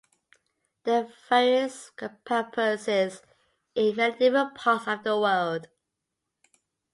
There are various campuses in many different parts of the world.